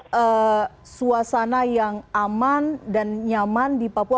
melihat suasana yang aman dan nyaman di papua